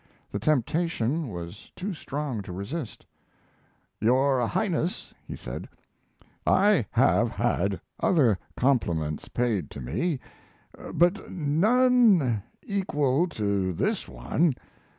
The temptation was too strong to resist: "Your Highness," he said, "I have had other compliments paid to me, but none equal to this one.